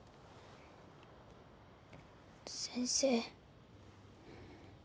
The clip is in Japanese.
先生。